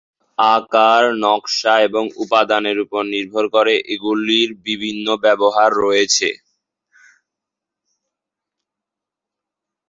আকার, নকশা এবং উপাদানের উপর নির্ভর করে এগুলির বিভিন্ন ব্যবহার রয়েছে।